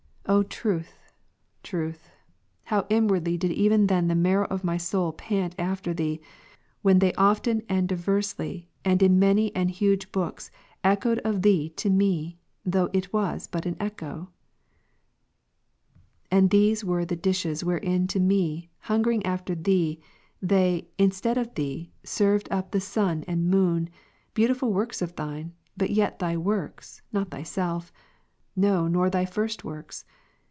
OTruth, Truth, howinwardly dideven then the marrow of my soul pant after Thee, when they often and diversly, and in many and huge books, echoed of Thee to me, though it was but an echo ? And these were the dishes wherein to me, hungering after Thee, they, instead of Thee, served up the Sun and Moon, beautiful works of Thine, but yet Thy works, not Thyself, no nor Thy first works.